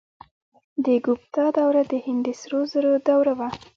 د ګوپتا دوره د هند د سرو زرو دوره وه.